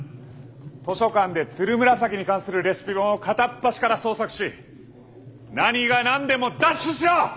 図書館でつるむらさきに関するレシピ本を片っ端から捜索し何が何でも奪取しろ！